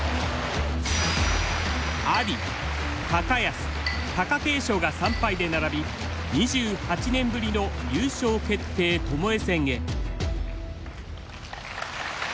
阿炎安貴景勝が三敗で並び２８年ぶりの優勝決定巴戦へ。